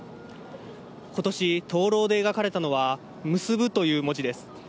今年、灯篭で描かれたのは「むすぶ」という文字です。